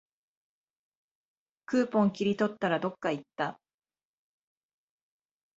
クーポン切り取ったら、どっかいった